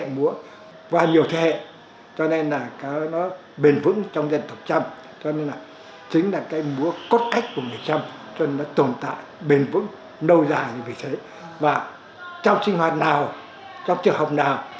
và trong sinh hoạt nào trong trường học nào thì múa họ cũng đem ra sử dụng